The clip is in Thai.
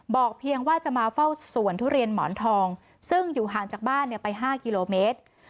เพียงว่าจะมาเฝ้าสวนทุเรียนหมอนทองซึ่งอยู่ห่างจากบ้านไป๕กิโลเมตร